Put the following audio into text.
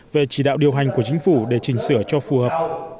về chỉ đạo điều hành của chính phủ để chỉnh sửa cho phù hợp